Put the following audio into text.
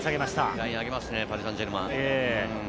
ライン上げますね、パリ・サンジェルマン。